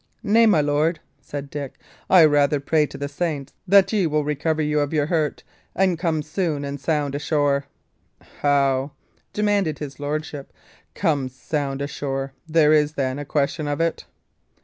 "Nay, my lord," said Dick, "I pray rather to the saints that ye will recover you of your hurt, and come soon and sound ashore." "How!" demanded his lordship. "Come sound ashore? There is, then, a question of it?"